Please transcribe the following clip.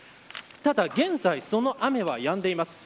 ただ現在その雨はやんでいます。